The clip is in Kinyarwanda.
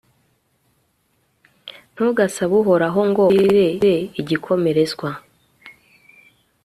ntugasabe uhoraho ngo akugire igikomerezwa